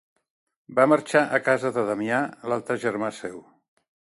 Va marxar a casa de Damià, l'altre germà seu.